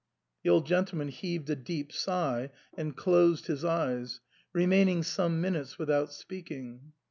The old gentleman heaved a deep sigh and closed his eyes, remaining some minutes without speaking.